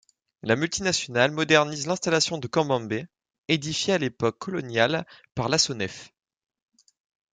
La multinationale modernise l'installation de Cambambe, édifiée à l'époque coloniale par la Sonefe.